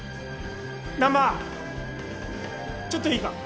・難破ちょっといいか。